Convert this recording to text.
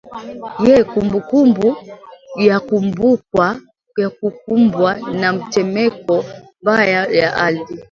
ye kumbukumbu ya kukumbwa na temeko mbaya la ardhi